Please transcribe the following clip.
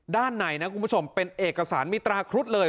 ด้านในนะคุณผู้ชมเป็นเอกสารมีตราครุฑเลย